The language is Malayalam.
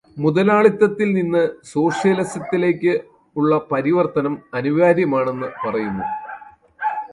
മുതലാളിത്തത്തിൽ നിന്ന് സോഷ്യലിസത്തിലേക്കുള്ള പരിവർത്തനം അനിവാര്യമാണെന്നു പറയുന്നു.